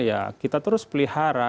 ya kita terus pelihara